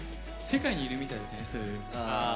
世界にいるみたいだね。